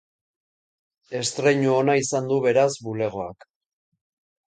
Estreinu ona izan du, beraz, bulegoak.